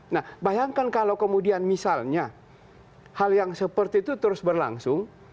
nah bayangkan kalau kemudian misalnya hal yang seperti itu terus berlangsung